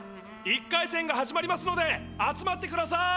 １かいせんが始まりますので集まってください！